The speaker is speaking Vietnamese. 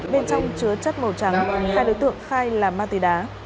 bên trong chứa chất màu trắng hai đối tượng khai là ma túy đá